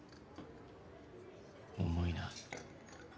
重いな。